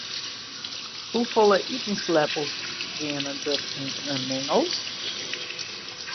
Hoefolle itensleppels geane der yn in mingel?